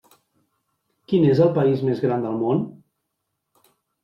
Quin és el país més gran del món?